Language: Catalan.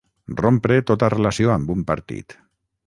Rompre tota relació amb un partit.